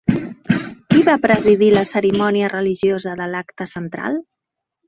Qui va presidir la cerimònia religiosa de l'acte central?